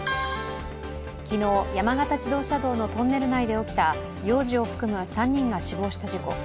昨日、山形自動車道のトンネル内で起きた幼児を含む３人が死亡した事故。